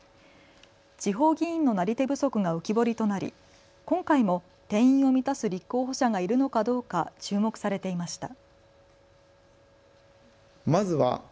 地方議員のなり手不足が浮き彫りとなり今回も定員を満たす立候補者がいるのかどうか注目されていました。